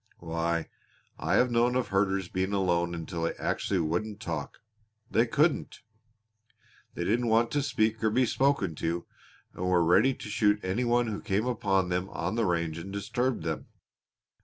Why, I have known of herders being alone until they actually wouldn't talk they couldn't. They didn't want to speak or be spoken to and were ready to shoot any one who came upon them on the range and disturbed them.